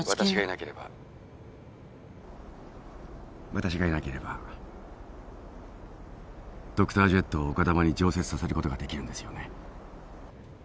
私がいなければドクタージェットを丘珠に常設させることができるんですよね。